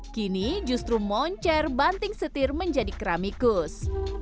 kini justru moncer banting setir menjadi keramikus